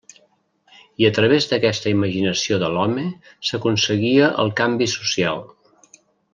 I a través d’aquesta imaginació de l’home s’aconseguia el canvi social.